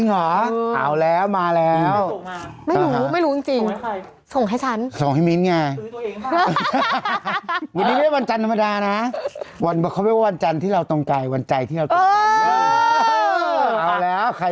ข่าวใส่ไข่สดใหม่ให้เยอะด้วยครับผมนะคะสวัสดีค่ะสวัสดีค่ะ